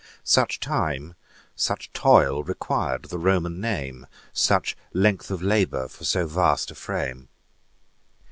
Such time, such toil, requir'd the Roman name, Such length of labour for so vast a frame.